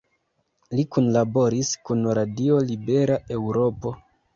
Li kunlaboris kun Radio Libera Eŭropo.